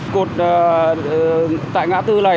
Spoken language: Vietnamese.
cột tại ngã tư này